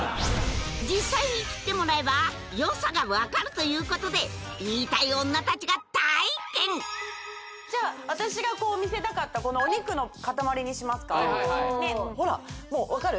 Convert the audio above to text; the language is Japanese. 実際に切ってもらえばよさが分かるということで言いたい女たちが体験じゃあ私が見せたかったこのお肉の塊にしますかほらもう分かる？